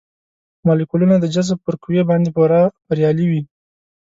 مالیکولونه د جذب پر قوې باندې پوره بریالي وي.